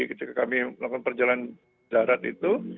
ketika kami melakukan perjalanan darat itu